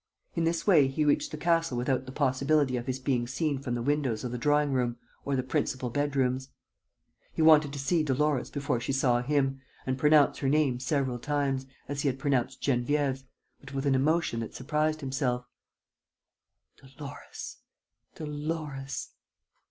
In this way, he reached the castle without the possibility of his being seen from the windows of the drawing room or the principal bedrooms. He wanted to see Dolores before she saw him and pronounced her name several times, as he had pronounced Geneviève's, but with an emotion that surprised himself: "Dolores. ... Dolores.